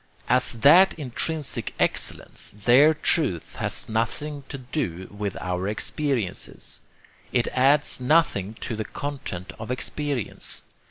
As that intrinsic excellence, their truth has nothing to do with our experiences. It adds nothing to the content of experience.